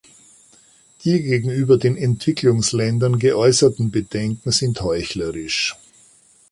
Die gegenüber den Entwicklungsländern geäußerten Bedenken sind heuchlerisch.